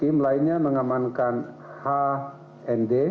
tim lainnya mengamankan hnd